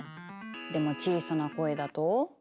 でも小さな声だと。